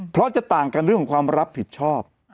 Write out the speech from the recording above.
เพราะจะต่างกันเรื่องของความรับผิดชอบ